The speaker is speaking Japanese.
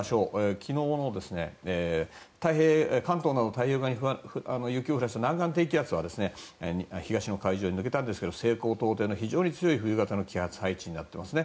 昨日の関東など太平洋側に雪を降らした南岸低気圧は東の海上に抜けたんですが西高東低の非常に強い冬型の気圧配置になっていますね。